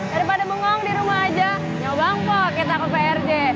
daripada bengong di rumah aja nyobang kok kita ke prj